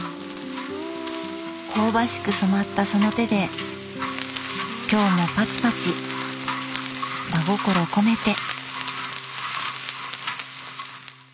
香ばしく染まったその手で今日もパチパチ真心込めて。